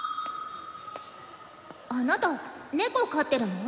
あなた猫飼ってるの？